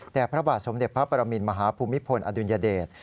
พระบาทสมเด็จพระปรมินมหาภูมิพลอดุลยเดช